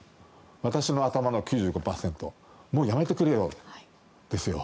私の頭の９５％もうやめてくれよ、ですよ。